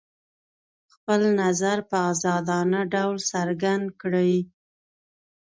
خپل نظر په ازادانه ډول څرګند کړي.